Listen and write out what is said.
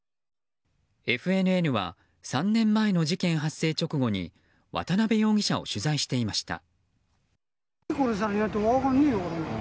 ＦＮＮは３年前の事件発生直後に渡部容疑者を取材していました。